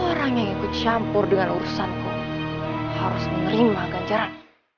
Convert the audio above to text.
orang yang ikut campur dengan urusanku harus menerima ganjaran